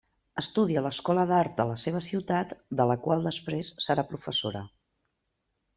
Estudia a l'Escola d'Art de la seva ciutat, de la qual després serà professora.